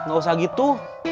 gak usah gitu